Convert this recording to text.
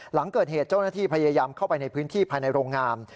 หลังเกิดเหตุเจ้าหน้าที่พยายามเข้าไปในพื้นที่ภายในโรงงาน